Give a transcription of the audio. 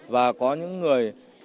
và có những người